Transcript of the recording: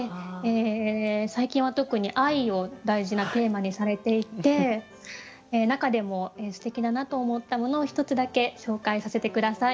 最近は特に「愛」を大事なテーマにされていて中でもすてきだなと思ったものを１つだけ紹介させて下さい。